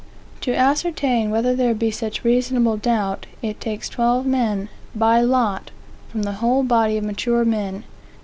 To ascertain whether there be such reasonable doubt, it takes twelve men by lot from the whole body of mature men.